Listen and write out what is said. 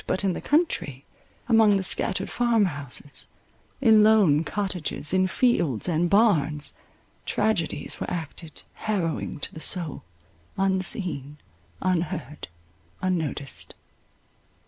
But in the country, among the scattered farm houses, in lone cottages, in fields, and barns, tragedies were acted harrowing to the soul, unseen, unheard, unnoticed.